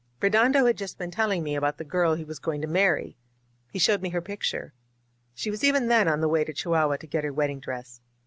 Redondo had just been telling me about the girl he was going to marry. He showed me her picture. She was even then on her way to Chihuahua to get her wedding dress.